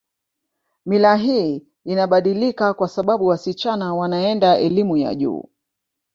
Mila hii inabadilika kwa sababu wasichana wanaenda elimu ya juu